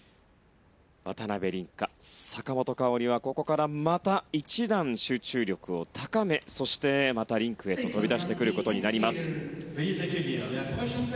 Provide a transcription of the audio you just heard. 渡辺倫果、坂本花織はここからまた一段、集中力を高めそして、またリンクへと飛び出してくることになります。